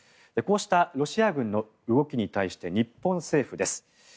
こうしたロシア軍の動きに対して日本政府です。